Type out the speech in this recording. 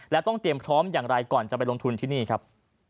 และต้องเตรียมพร้อมอย่างไรก่อนจะไปลงทุนที่นี่ครับ